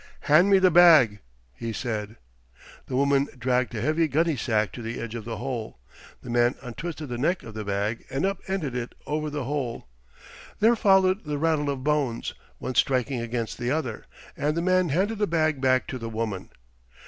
"Hand me the bag," he said. The woman dragged a heavy gunny sack to the edge of the hole. The man untwisted the neck of the bag and up ended it over the hole. There followed the rattle of bones, one striking against the other, and the man handed the bag back to the woman.